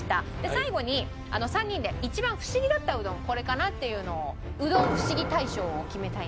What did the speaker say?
最後に３人で一番フシギだったうどんこれかなっていうのをうどんフシギ大賞を決めたいなという。